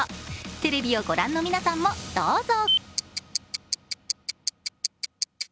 テレビをご覧の皆さんもどうぞ。